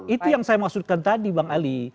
itu yang saya maksudkan tadi bang ali